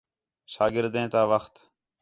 شاگردیں تا وخت